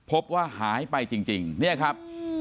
พบว่าหายไปจริงเนี่ยครับ